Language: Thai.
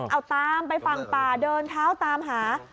เอาตามไปฝั่งป่าเดินเท้าตามหา